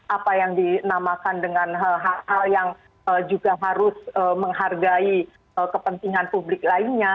apa yang dinamakan dengan hal hal yang juga harus menghargai kepentingan publik lainnya